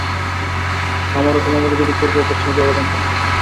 আমার ও তোমার মধ্যে যদি পূর্ব ও পশ্চিমের ব্যবধান থাকত।